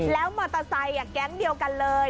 แล้วมอเตอร์ไซค์แก๊งเดียวกันเลย